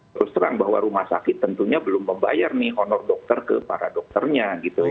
terus terang bahwa rumah sakit tentunya belum membayar nih honor dokter ke para dokternya gitu